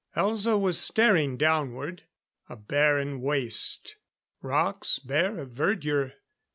Elza was staring downward. A barren waste. Rocks bare of verdure.